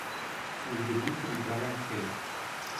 Fu il debutto di Brian Keith.